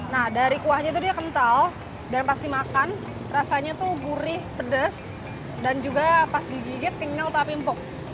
nah dari kuahnya itu dia kental dan pas dimakan rasanya tuh gurih pedes dan juga pas digigit tinggal tapi empuk